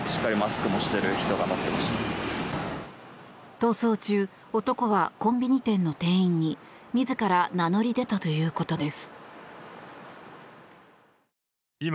逃走中、男はコンビニ店の店員に自ら名乗り出たということです。